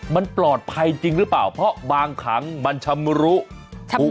มันปลอดภัยจริงหรือเปล่าเพราะบางขังมันชำรุ